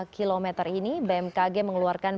kilometer ini bmkg mengeluarkan